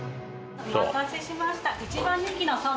お待たせしました。